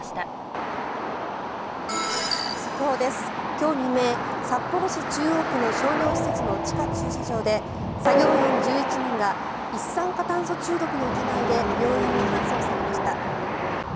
今日未明、札幌市中央区の商業施設の地下駐車場で作業員１１人が一酸化炭素中毒の疑いで病院に搬送されました。